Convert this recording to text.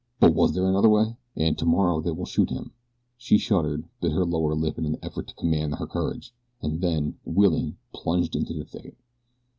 But was there another way? And "Tomorrow they will shoot him!" She shuddered, bit her lower lip in an effort to command her courage, and then, wheeling, plunged into the thicket.